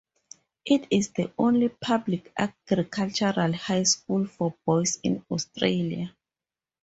It is the only public agricultural high school for boys in Australia.